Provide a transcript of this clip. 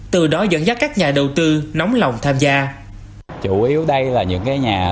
từ đó dẫn dắt các nhà đầu tư nóng lòng tham gia